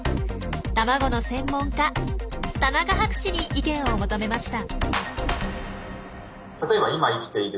卵の専門家田中博士に意見を求めました。